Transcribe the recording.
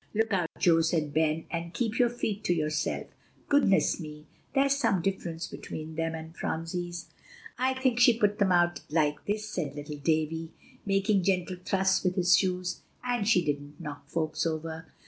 "Look out, Joe," said Ben, "and keep your feet to yourself. Goodness me! there's some difference between them and Phronsie's." "I think she put them out like this," said little Davie, making gentle thrusts with his shoes; "and she didn't knock folks over."